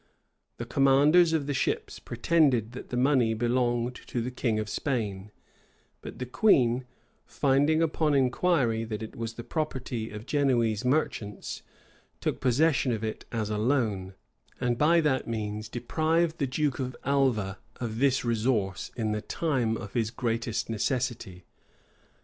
The commanders of the ships pretended that the money belonged to the king of Spain; but the queen, finding upon inquiry that it was the property of Genoese merchants, took possession of it as a loan; and by that means deprived the duke of Alva of this resource in the time of his greatest necessity.